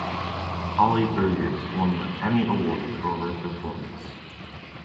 Polly Bergen won the Emmy Award for her performance.